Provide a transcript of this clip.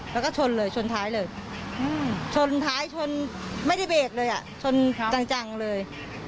แล้วก็ชนเลยชนท้ายเลยชนท้ายชนไม่ได้เบรกเลยอ่ะชนจังเลย